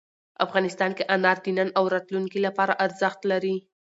افغانستان کې انار د نن او راتلونکي لپاره ارزښت لري.